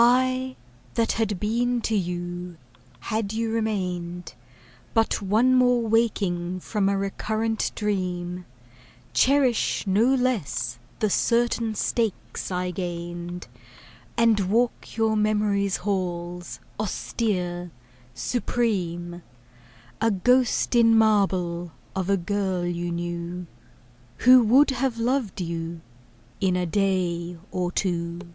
I, that had been to you, had you remained, But one more waking from a recurrent dream, Cherish no less the certain stakes I gained, And walk your memory's halls, austere, supreme, A ghost in marble of a girl you knew Who would have loved you in a day or two.